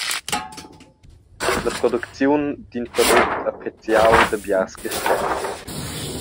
La producziun d’in product appreziau da biars carstgauns.